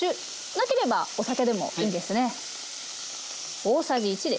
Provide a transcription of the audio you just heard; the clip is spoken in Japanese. なければお酒でもいいんですね。